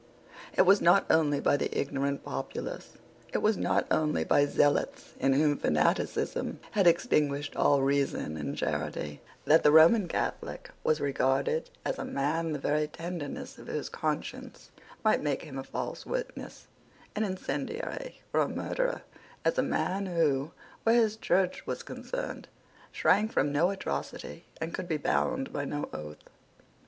It was not only by the ignorant populace, it was not only by zealots in whom fanaticism had extinguished all reason and charity, that the Roman Catholic was regarded as a man the very tenderness of whose conscience might make him a false witness, an incendiary, or a murderer, as a man who, where his Church was concerned, shrank from no atrocity and could be bound by no oath.